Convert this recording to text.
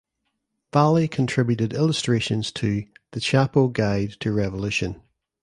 Valley contributed illustrations to "The Chapo Guide to Revolution".